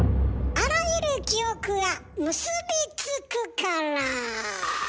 あらゆる記憶が結びつくから。